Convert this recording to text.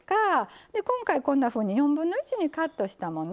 今回こんなふうに４分の１にカットしたもの